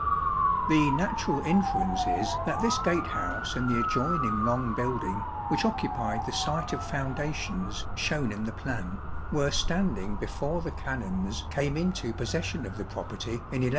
The natural inference is that this gatehouse and the adjoining long building, which occupied the site of founda tions shown in the plan, were standing before the Canons came into possession of the property in 1196.